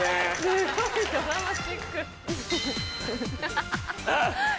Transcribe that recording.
すごいドラマチック！